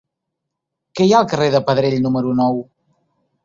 Què hi ha al carrer de Pedrell número nou?